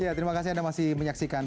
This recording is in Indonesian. ya terima kasih anda masih menyaksikan